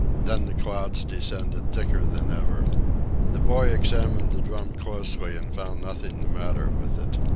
Then the clouds descended thicker than ever. The boy examined the drum closely, and found nothing the matter with it.